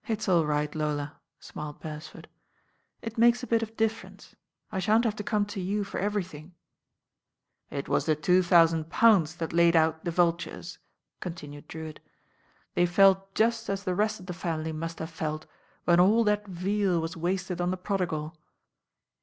"It's aU right, Lola," smiled Beresford. "It makes a bit of difference. I shan't have to come to you for everything." "It was the two thousand pounds that laid out the Vultures," continued Drewitt. "They felt just as 804 THE RAIN GIRL the rcbt of the family must have felt when all thai veal was wasted on the prodigal."